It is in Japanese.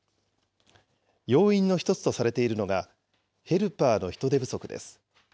要因の一つとされているのが、ヘルパーの人手不足です。